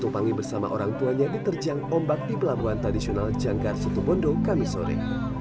menangis bersama orang tuanya diterjang ombak di pelabuhan tradisional janggar sutubondo kamisori